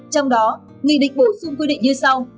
trong đó nghị định bổ sung quy định như sau